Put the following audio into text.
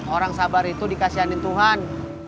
orang sabar itu dikasihanin tuhan